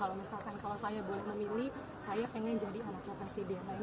kalau misalkan saya boleh memilih saya ingin jadi anak progresi bnr